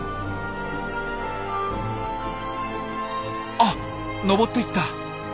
あっのぼっていった。